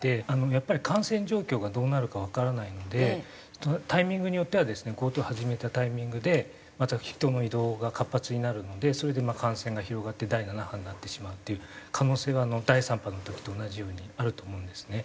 やっぱり感染状況がどうなるかわからないのでタイミングによってはですねＧｏＴｏ始めたタイミングでまた人の移動が活発になるのでそれでまあ感染が広がって第７波になってしまうっていう可能性は第３波の時と同じようにあると思うんですね。